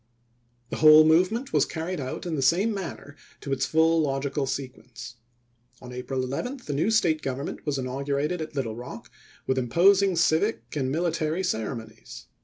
The whole movement was carried out in the same manner to its full logical sequence. On April 11 the new State government was inaugurated at Little Rock with imposing civic and military cere monies.